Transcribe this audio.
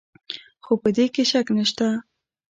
خو په دې کې شک نشته.